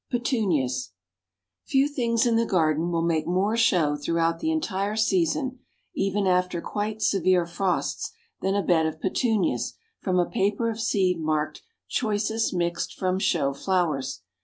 PETUNIAS. Few things in the garden will make more show throughout the entire season, even after quite severe frosts, than a bed of Petunias from a paper of seed marked "Choicest Mixed from Show Flowers."